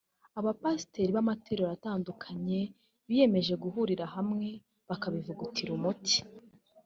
abapasiteri b’amatorero atandukanye biyemeje guhurira hamwe bakabivugutira umuti